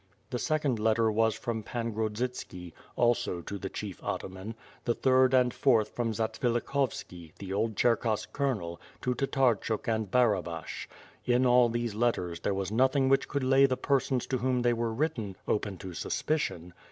The second letter was from Pan Grod 1^4 ^^^^^^'^^^^' AND SWORD, zitski, also to the chief ataman; the third and fourth from Zatsvilikhovski, the old Cherkass colonel, to Tatarehuk and Barabash. In all these letters, there was nothing which could lay the persons to whom they were written, open to suspicion.